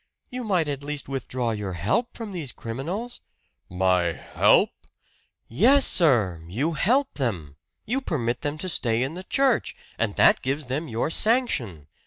You might at least withdraw your help from these criminals!" "My HELP!" "Yes, sir! You help them! You permit them to stay in the church, and that gives them your sanction!